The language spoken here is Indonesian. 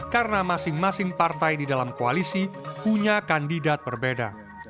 karena masing masing partai di dalam koalisi punya kandidat berbeda